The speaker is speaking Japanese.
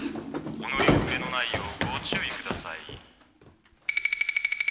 お乗り遅れのないようご注意ください。